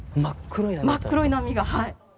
真っ黒い波が、はい。